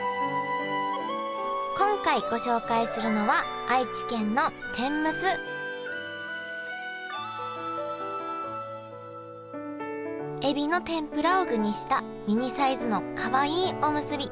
今回ご紹介するのはエビの天ぷらを具にしたミニサイズのかわいいおむすび。